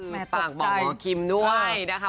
ไม่ตราบไหมครับบอกมคิมด้วยนะคะ